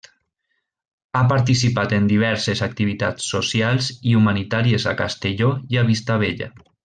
Ha participat en diverses activitats socials i humanitàries a Castelló i a Vistabella.